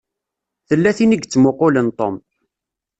Tella tin i yettmuqqulen Tom.